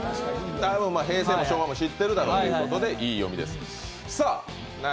平成も昭和も知ってるだろうということで、いい読みです。